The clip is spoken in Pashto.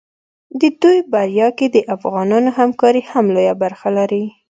د دوی په بریا کې د افغانانو همکاري هم لویه برخه لري.